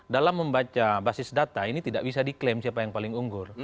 dalam membaca basis data ini tidak bisa diklaim siapa yang paling unggur